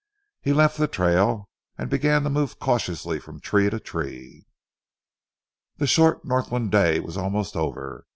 He left the trail, and began to move cautiously from tree to tree. The short Northland day was almost over.